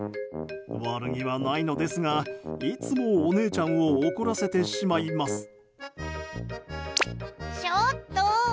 悪気はないのですがいつもお姉ちゃんを怒らせてしまいます。